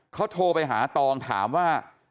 เขาโทรไปหาตองถามว่า